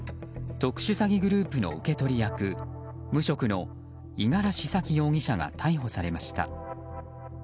特殊詐欺グループの受け取り役無職の五十嵐沙希容疑者が逮捕されました。